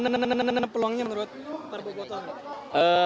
bagaimana peluangnya menurut para bobotoh